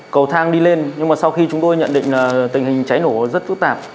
cầu thang đi lên nhưng mà sau khi chúng tôi nhận định là tình hình cháy nổ rất phức tạp